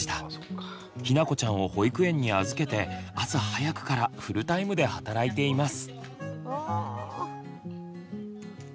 ひなこちゃんを保育園に預けて朝早くからフルタイムで働いています。